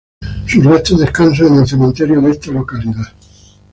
Sus restos descansan en el cementerio de esta localidad.